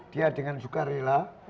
dia dengan suka rela